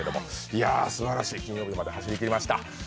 いやあ、すばらしい金曜日まで走りきりました。